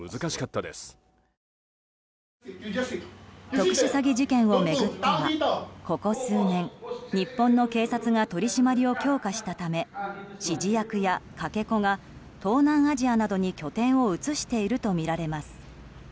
特殊詐欺事件を巡ってはここ数年日本の警察が取り締まりを強化したため指示役や、かけ子が東南アジアなどに拠点を移しているとみられます。